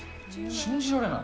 信じられない。